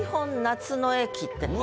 夏の駅」って。